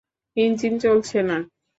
Engine চলছে না?